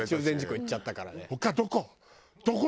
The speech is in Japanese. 他どこ？